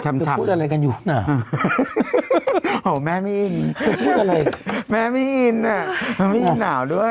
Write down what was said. แม่ไม่อิ่น่ะไม่มีอิ่มหนาวด้วย